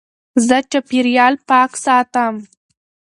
زه چاپېریال پاک ساتم.